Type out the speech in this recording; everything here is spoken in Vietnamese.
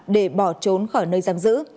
để bỏ trốn khỏi nơi giam giữ